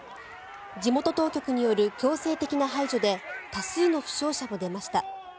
地元当局による強制的な排除で多数の負傷者も出ました。